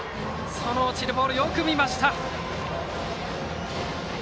その落ちるボールよく見ました。